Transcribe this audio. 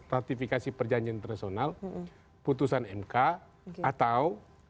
ratifikasi perjanjian internasional putusan mk atau